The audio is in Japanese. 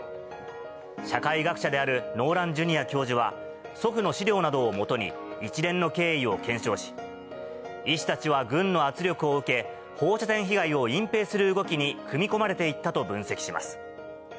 社会学者であるノーラン・ジュニア教授は、祖父の資料などを基に、一連の経緯を検証し、医師たちは軍の圧力を受け、放射線被害を隠蔽する動きに組み込まれていったと分析します。